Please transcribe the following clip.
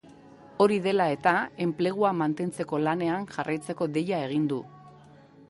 Hori dela eta, enplegua mantentzeko lanean jarraitzeko deia egin du.